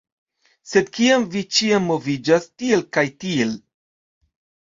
Sed kiam vi ĉiam moviĝas tiel kaj tiel